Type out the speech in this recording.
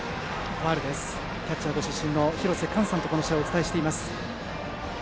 キャッチャーご出身の廣瀬寛さんとこの試合をお伝えしています。